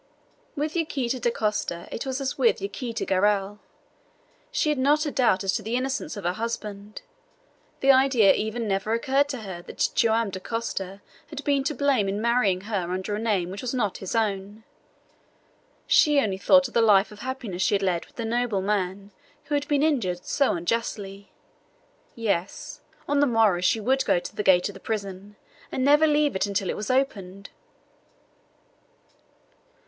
With Yaquita Dacosta it was as with Yaquita Garral. She had not a doubt as to the innocence of her husband. The idea even never occurred to her that Joam Dacosta had been to blame in marrying her under a name which was not his own. She only thought of the life of happiness she had led with the noble man who had been injured so unjustly. Yes! On the morrow she would go to the gate of the prison, and never leave it until it was opened!